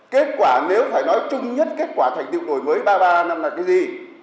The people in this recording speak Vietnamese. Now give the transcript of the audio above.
kết quả nếu phải nói chung nhất kết quả thành tựu đổi mới ba mươi ba năm là cái gì